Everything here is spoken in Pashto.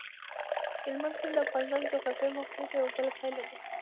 هلمند سیند د افغانستان د جغرافیایي موقیعت یوه پایله ده.